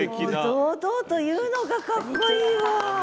堂々と言うのがかっこいいわ。